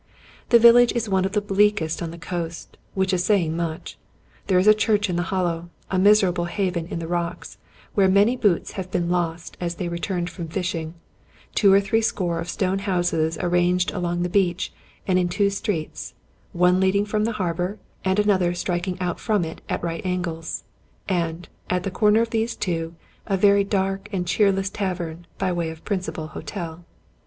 The vil lage is one of the bleakest on that coast, which is saying much: there is a church in the hollow; a miserable haven in the rocks, where many boats have been lost as they re turned from fishing; two or three score of stone houses arranged along the beach and in two streets, one leading from the harbor, and another striking out from it at right angles ; and, at the corner of these two, a very dark and cheerless tavern, by way of principal hotel.